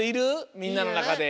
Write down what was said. みんなのなかで。